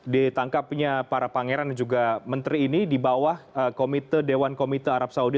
ditangkapnya para pangeran dan juga menteri ini di bawah komite dewan komite arab saudi